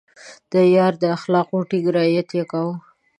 د عیارۍ د اخلاقو ټینګ رعایت يې کاوه.